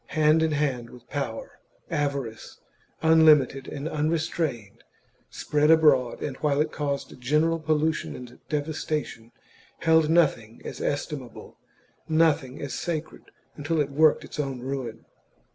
Hand in hand with power, avarice, unlimited and un restrained, spread abroad, and, while it caused general pollution and devastation, held nothing as estimable, nothing as sacred until it worked its own ruin.